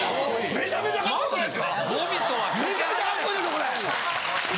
めちゃめちゃカッコいい！